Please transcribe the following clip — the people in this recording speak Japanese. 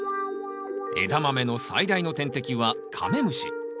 エダマメの最大の天敵はカメムシ。